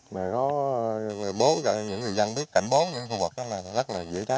mà có những người dân biết cảnh bó những khu vực đó là rất là dễ chá